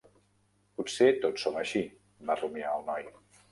Potser tots som així, va rumiar el noi.